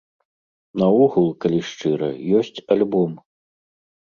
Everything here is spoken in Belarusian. Наогул, калі шчыра, ёсць альбом.